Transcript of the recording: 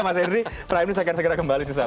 mas edri fahim nus akan segera kembali sesaat lagi